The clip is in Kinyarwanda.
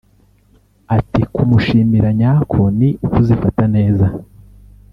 Ati “Kumushimira nyako ni ukuzifata neza